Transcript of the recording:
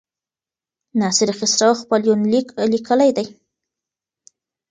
ناصر خسرو خپل يونليک ليکلی دی.